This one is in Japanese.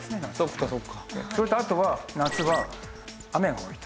それとあとは夏は雨が多いと。